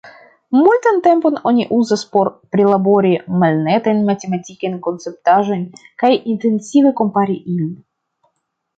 Multan tempon oni uzas por prilabori malnetajn matematikajn konceptaĵojn kaj intensive kompari ilin.